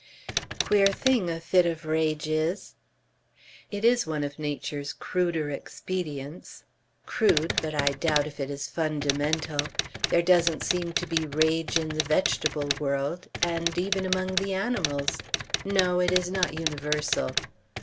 "Queer thing a fit of rage is!" "It's one of nature's cruder expedients. Crude, but I doubt if it is fundamental. There doesn't seem to be rage in the vegetable world, and even among the animals ? No, it is not universal."